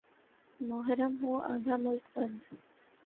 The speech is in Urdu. محرم ہو آدھا ملک بند۔